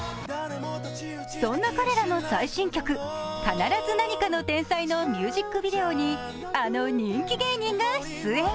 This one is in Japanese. そんな彼らの最新曲「必ず何かの天才」のミュージックビデオにあの人気芸人が出演。